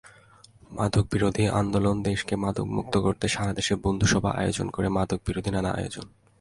মাদকবিরোধী আন্দোলনদেশকে মাদকমুক্ত করতে সারা দেশে বন্ধুসভা আয়োজন করে মাদকবিরোধী নানা আয়োজন।